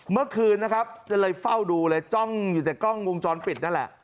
เมื่อคืนจะเลยเฝ้าดูเลยนั่นแหละ